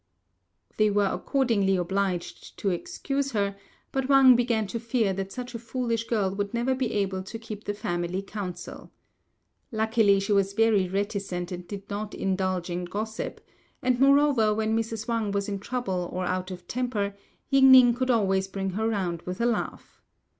They were accordingly obliged to excuse her, but Wang began to fear that such a foolish girl would never be able to keep the family counsel. Luckily, she was very reticent and did not indulge in gossip; and moreover, when Mrs. Wang was in trouble or out of temper, Ying ning could always bring her round with a laugh.